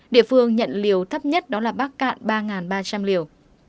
địa phương nhận liều thấp nhất đó là bắc cạn ba ba trăm linh liều